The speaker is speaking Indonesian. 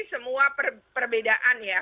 semua perbedaan ya